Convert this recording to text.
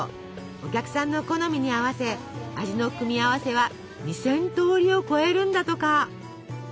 お客さんの好みに合わせ味の組み合わせは２，０００通りを超えるんだとか。